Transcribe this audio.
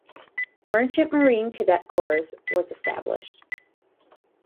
Merchant Marine Cadet Corps was established.